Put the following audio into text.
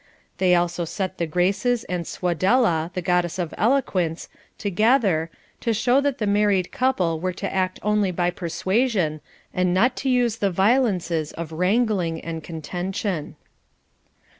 They also set the Graces and Suadela, the Goddess of Eloquence, to gether, to show that the married couple were to act only by persuasion, and not to use the violences of wrangling and contention.